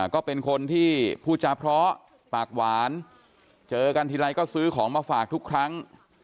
ก็เป็นคนที่พูดจาเพราะปากหวานเจอกันทีไรก็ซื้อของมาฝากทุกครั้ง